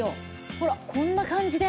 ほらこんな感じで。